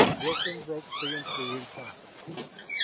Hilton broke the ensuing silence.